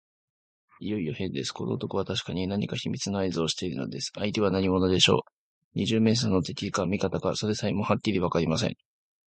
いよいよへんです。この男はたしかに何か秘密のあいずをしているのです。相手は何者でしょう。二十面相の敵か味方か、それさえもはっきりわかりません。